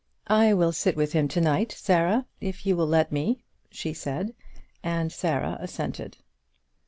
"I will sit with him to night, Sarah, if you will let me," she said; and Sarah assented.